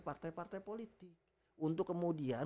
partai partai politik untuk kemudian